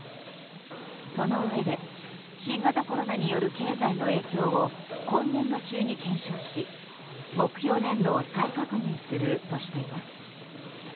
そのうえで新型コロナによる経済の影響を今年度中に検証し、目標年度を再確認するとしています。